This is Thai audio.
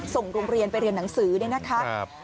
ส่งโรงเรียนไปเรียนหนังสือเนี่ยนะคะ